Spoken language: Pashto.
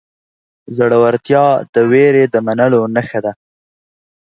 زړورتیا د وېرې د منلو نښه ده.